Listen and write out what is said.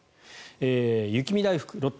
雪見だいふく、ロッテ。